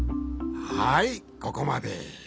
はいここまで。